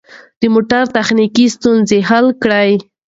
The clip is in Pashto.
د موټر تخنیکي ستونزې حل کړئ.